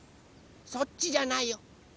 そっちじゃないよ。